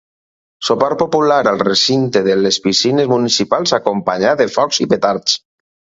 Sopar popular al recinte de les piscines municipals acompanyat de focs i petards.